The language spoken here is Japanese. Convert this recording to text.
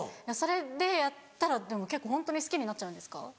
それでやったらでも結構ホントに好きになっちゃうんですか？